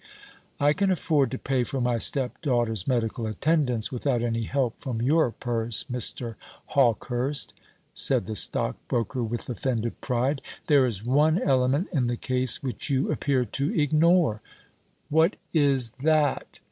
"I can afford to pay for my stepdaughter's medical attendance without any help from your purse, Mr. Hawkehurst," said the stockbroker with offended pride. "There is one element in the case which you appear to ignore." "What is that?"